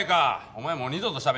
お前もう二度と喋んな。